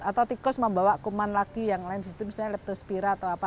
atau tikus membawa kuman lagi yang lain di situ misalnya leptospira atau apa